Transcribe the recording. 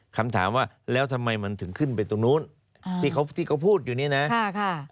คำถามว่าแล้วทำไมมันถึงขึ้นไปตรงนู้นที่เขาที่เขาพูดอยู่นี่นะ